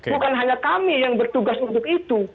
bukan hanya kami yang bertugas untuk itu